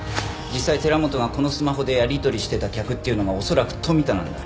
実際寺本がこのスマホでやり取りしてた客っていうのが恐らく富田なんだ。